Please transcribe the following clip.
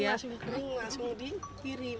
ini kan langsung kering langsung dikirim